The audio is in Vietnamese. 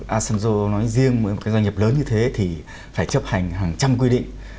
asanzo nói riêng một doanh nghiệp lớn như thế thì phải chấp hành hàng trăm quy định